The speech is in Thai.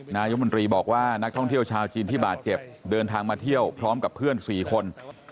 นายมนตรีบอกว่านักท่องเที่ยวชาวจีนที่บาดเจ็บเดินทางมาเที่ยวพร้อมกับเพื่อน๔คน